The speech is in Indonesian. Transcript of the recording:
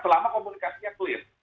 selama komunikasinya clear